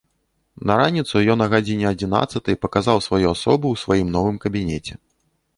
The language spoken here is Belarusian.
На раніцу ён а гадзіне адзінаццатай паказаў сваю асобу ў сваім новым кабінеце.